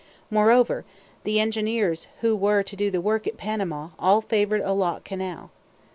Moreover, the engineers who were to do the work at Panama all favored a lock canal.